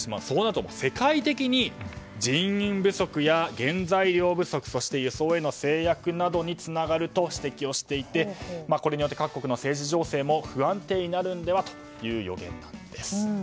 そうなると、世界的に人員不足や原材料不足輸送への制約などにつながると指摘をしていてこれによって各国の政治情勢も不安定になるのではという予言なんです。